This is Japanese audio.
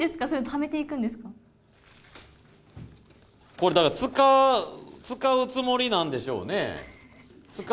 ためてこれ、だから、使うつもりなんでしょうね。